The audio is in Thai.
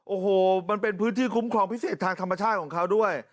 โอ้โหมันเป็นพื้นที่คุ้มครองพิเศษทางธรรมชาติของเขาด้วย